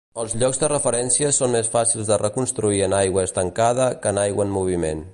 Els llocs de referència són més fàcils de reconstruir en aigua estancada que en aigua en moviment.